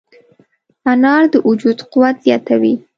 انار د وجود قوت زیاتوي.